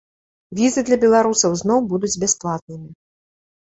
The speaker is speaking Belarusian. Візы для беларусаў зноў будуць бясплатнымі.